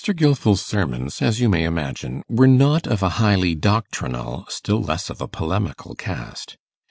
Gilfil's sermons, as you may imagine, were not of a highly doctrinal, still less of a polemical, cast.